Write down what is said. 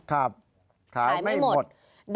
ครับขายไม่หมดขายไม่หมด